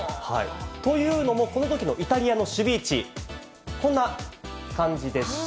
というのも、このときのイタリアの守備位置、こんな感じでした。